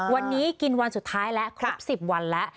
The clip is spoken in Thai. วันนี้กินวันสุดท้ายแล้วครบ๑๐วันแล้ว